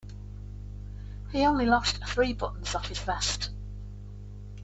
He only lost three buttons off his vest.